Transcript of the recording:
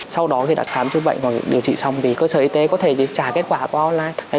sau đó thì đặt khám chức bệnh hoặc điều trị xong thì cơ sở y tế có thể trả kết quả qua online